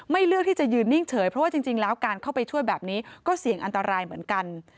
เลือกที่จะยืนนิ่งเฉยเพราะว่าจริงแล้วการเข้าไปช่วยแบบนี้ก็เสี่ยงอันตรายเหมือนกัน